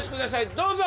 どうぞ。